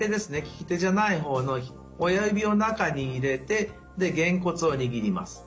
利き手じゃない方の親指を中に入れてでげんこつをにぎります。